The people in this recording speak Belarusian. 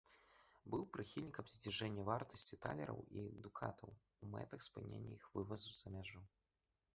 Быў прыхільнікам зніжэння вартасці талераў і дукатаў у мэтах спынення іх вывазу за мяжу.